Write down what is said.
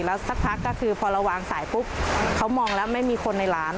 แล้วสักพักก็คือพอเราวางสายปุ๊บเขามองแล้วไม่มีคนในร้าน